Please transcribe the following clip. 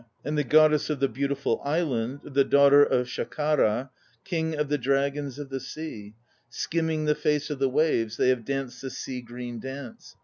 And the goddess of the Beautiful Island, The daughter of Shakara King of the Dragons of the Sea Skimming the face of the waves They have danced the Sea Green Dance.